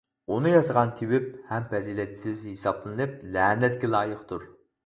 ئۇنى ياسىغان تېۋىپ ھەم پەزىلەتسىز ھېسابلىنىپ لەنەتكە لايىقتۇر.